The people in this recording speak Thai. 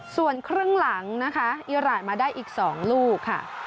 ส่วนครึ่งหลังนะคะอิราณมาได้อีก๒ลูกค่ะ